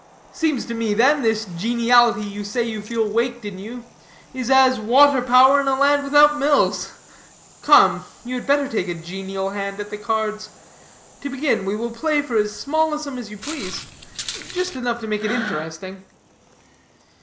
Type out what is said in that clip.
"Seems to me, then, this geniality you say you feel waked in you, is as water power in a land without mills. Come, you had better take a genial hand at the cards. To begin, we will play for as small a sum as you please; just enough to make it interesting."